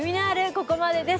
ここまでです。